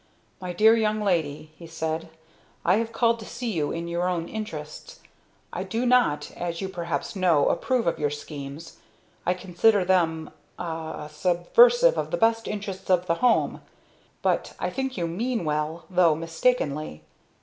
"My dear young lady," he said, "I have called to see you in your own interests. I do not, as you perhaps know, approve of your schemes. I consider them ah subversive of the best interests of the home! But I think you mean well, though mistakenly.